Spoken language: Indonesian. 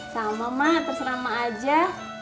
sama mak terserah emak aja